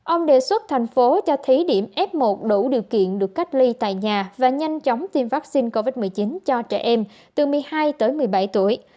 ông đề xuất thành phố cho thí điểm f một đủ điều kiện được cách ly tại nhà và nhanh chóng tiêm vaccine covid một mươi chín cho trẻ em từ một mươi hai tới một mươi bảy tuổi